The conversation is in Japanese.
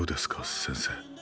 先生。